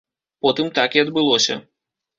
Потым так і адбылося.